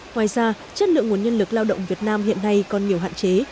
ngoài ra chất lượng nguồn nhân lực lao động việt nam hiện nay còn nhiều hạn chế